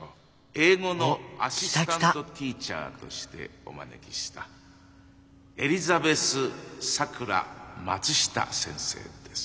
英語のアシスタントティーチャーとしてお招きしたエリザベス・さくら・松下先生です。